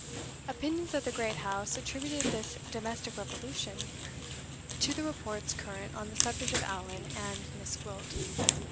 Opinions at the great house attributed this domestic revolution to the reports current on the subject of Allan and Miss Gwilt.